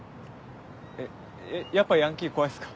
えっやっぱヤンキー怖いっすか？